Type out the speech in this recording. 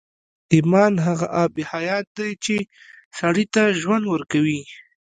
ايمان هغه آب حيات دی چې سړي ته ژوند ورکوي.